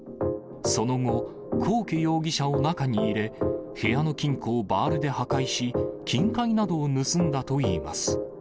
その後、幸家容疑者を中に入れ、部屋の金庫をバールで破壊し、金塊などを盗んだといいます。